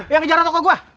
yang ngejar toko gua